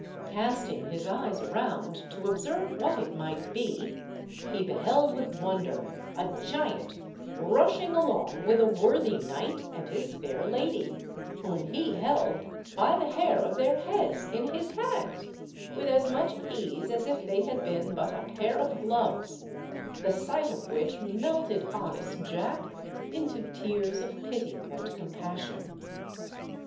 Casting his eyes around to observe what it might be, he beheld with wonder a giant rushing along with a worthy knight and his fair lady, whom he held by the hair of their heads in his hands, with as much ease as if they had been but a pair of gloves, the sight of which melted honest Jack into tears of pity and compassion.